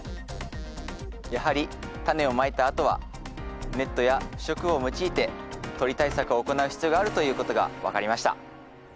やはりタネをまいたあとはネットや不織布を用いて鳥対策を行う必要があるということが分かりました。